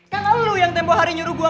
kalau lo yang tempoh hari nyuruh gue